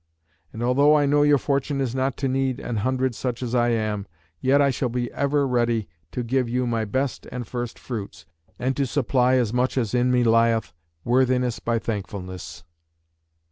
And although I know your fortune is not to need an hundred such as I am, yet I shall be ever ready to give you my best and first fruits, and to supply (as much as in me lieth) worthiness by thankfulness."